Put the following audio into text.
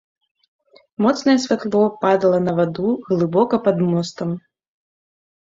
Моцнае святло падала на ваду, глыбока пад мостам.